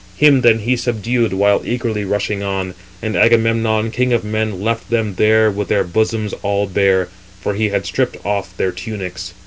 Him then he subdued while eagerly rushing on. And Agamemnon, king of men, left them there with their bosoms all bare, for he had stripped off their tunics.